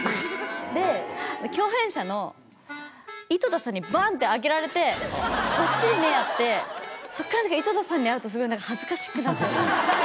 で共演者の井戸田さんにバンって開けられてバッチリ目合ってそっから井戸田さんに会うとすごい恥ずかしくなっちゃって。